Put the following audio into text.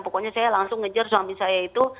pokoknya saya langsung ngejar suami saya itu